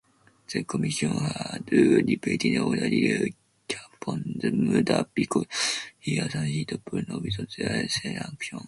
The Commission had reportedly ordered Caponigro's murder because he assassinated Bruno without their sanction.